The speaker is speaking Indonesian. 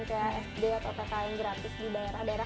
pengen kayak sd atau pk yang gratis di daerah daerah